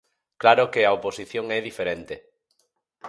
Claro que a oposición é diferente.